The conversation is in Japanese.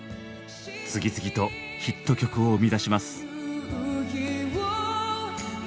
次々とヒット曲を生み出します。